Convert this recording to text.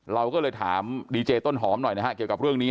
เราก็เลยถามดีเจต้นหอมหน่อยนะฮะเกี่ยวกับเรื่องนี้